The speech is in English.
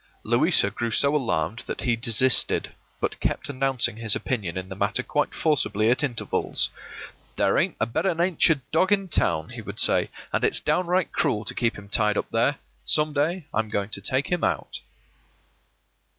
Louisa grew so alarmed that he desisted, but kept announcing his opinion in the matter quite forcibly at intervals. “There ain't a better natured dog in town,” he would say, “and it's down right cruel to keep him tied up there. Some day I'm going to take him out.